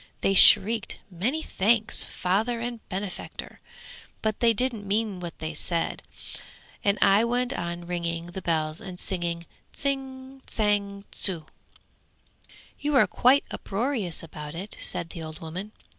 They shrieked "Many thanks, Father and benefactor," but they didn't mean what they said, and I went on ringing the bells and singing "Tsing, tsang, tsu!"' 'You're quite uproarious about it!' said the old woman.